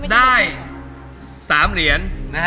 ได้๓เหรียญ